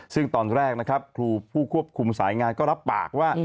ซึ่งตอนแรกนะครับครูผู้ควบคุมสายงานก็รับปากว่า